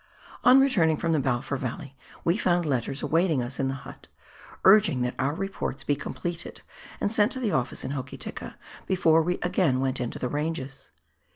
On returning from the Balfour valley we found letters awaiting us in the hut, urging that our reports be completed and sent up to the office in Hokitika before we again went into the ranges.